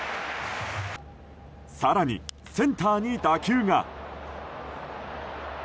更に、センターに打球が。